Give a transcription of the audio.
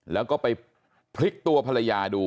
แล้วก็ไปพลิกตัวภรรยาดู